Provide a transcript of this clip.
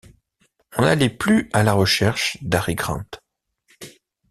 On n’allait plus à la recherche d’Harry Grant.